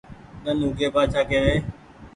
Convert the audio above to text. ۮن اوڳي بآڇآ ڪيوي